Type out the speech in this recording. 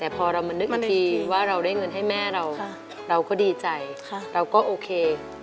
แต่พอเรามานึกอีกทีว่าเราได้เงินให้แม่เราเราก็ดีใจเราก็โอเค